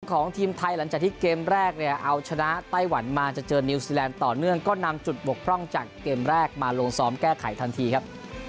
ของทีมไทยหลังจากที่เกมแรกเนี่ยเอาชนะไต้หวันมาจะเจอนิวซีแลนด์ต่อเนื่องก็นำจุดบกพร่องจากเกมแรกมาลงซ้อมแก้ไขทันทีครับ